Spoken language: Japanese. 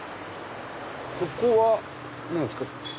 ここは何ですか？